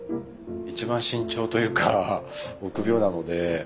一番慎重というか臆病なので。